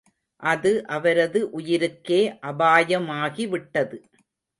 அது அவரது உயிருக்கே அபாயமாகி விட்டது.